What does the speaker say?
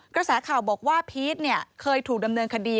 กระแสข่าวบอกว่าพีชเคยถูกดำเนินคดี